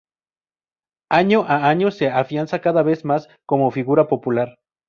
Año a año se afianza cada vez más, como figura popular.